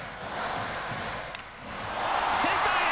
センターへ！